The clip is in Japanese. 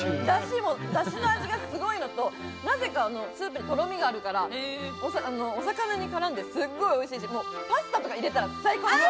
ダシの味がすごいのと、なぜかスープにとろみがあるから、お魚に絡んですっごいおいしいし、パスタとか入れたら最高！